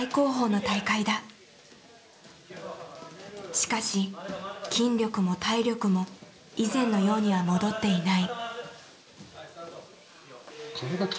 しかし筋力も体力も以前のようには戻っていない。